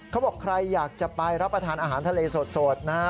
เขาบอกใครอยากจะไปรับประทานอาหารทะเลสดนะฮะ